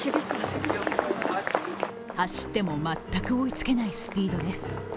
走っても全く追いつけないスピードです。